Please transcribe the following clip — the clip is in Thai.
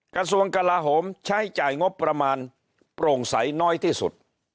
กระทรวงกลาโหมใช้จ่ายงบประมาณโปร่งใสน้อยที่สุด